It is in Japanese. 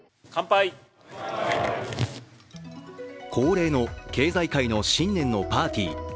恒例の経済界の新年のパーティー。